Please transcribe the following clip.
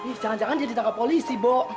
ih jangan jangan dia ditangkap polisi bo